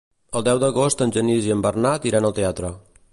El deu d'agost en Genís i en Bernat iran al teatre.